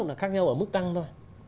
là khác nhau ở mức tăng thôi